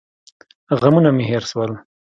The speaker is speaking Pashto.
غمونه مې هېر سول.